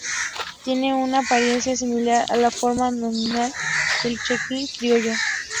Tiene una apariencia similar a la forma nominal del chochín criollo.